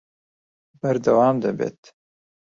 بەردەوام دەبێت